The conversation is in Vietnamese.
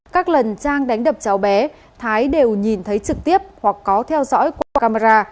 các lần trang đánh đập cháu bé thái đều nhìn thấy trực tiếp hoặc có theo dõi qua camera